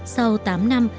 sau tám năm